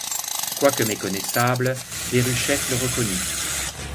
Quoique méconnaissable, Déruchette le reconnut.